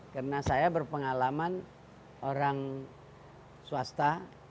karena saya berpengalaman orang swasta